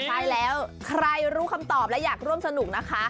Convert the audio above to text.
ใช่แล้วใครรู้คำตอบและอยากร่วมสนุกนะคะ